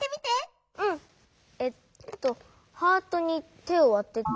えっとハートに手をあてて。